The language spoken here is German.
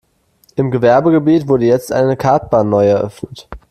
Im Gewerbegebiet wurde jetzt eine Kartbahn neu eröffnet.